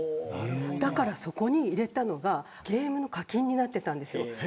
だから、そこに入れたのがゲームの課金になっていたんです。